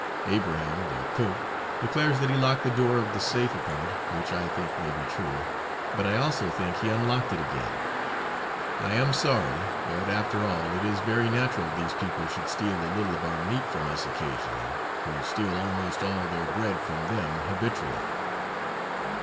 Abraham the cook declares that he locked the door of the safe upon it, which I think may be true, but I also think he unlocked it again. I am sorry; but, after all, it is very natural these people should steal a little of our meat from us occasionally, who steal almost all their bread from them habitually.